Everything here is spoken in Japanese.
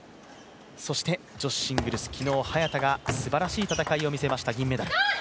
そして、女子シングルス昨日、早田がすばらしい戦いを見せました銀メダル。